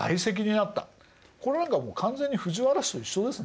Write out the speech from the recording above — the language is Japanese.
これなんかもう完全に藤原氏と一緒ですね。